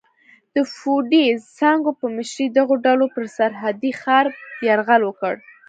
د فوډي سانکو په مشرۍ دغو ډلو پر سرحدي ښار یرغل وکړ.